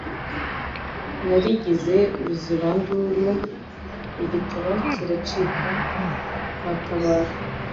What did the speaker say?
Narigize Ruzibanduru igituba kiracika kwa tabaro